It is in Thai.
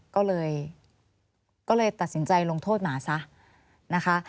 ก็เลยตัดสินใจลงโทษหมาซะนะคะ